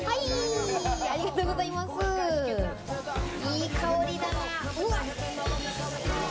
いい香りだな。